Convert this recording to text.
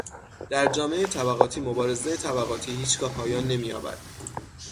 در جامعهٔ طبقاتی مبارزهٔ طبقاتی هیچگاه پایان نمییابد.